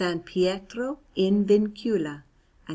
Pietro in Vincula, and S.